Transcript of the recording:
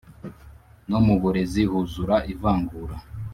no muburezi huzura ivangura